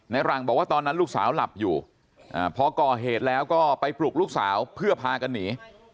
หลังบอกว่าตอนนั้นลูกสาวหลับอยู่พอก่อเหตุแล้วก็ไปปลุกลูกสาวเพื่อพากันหนี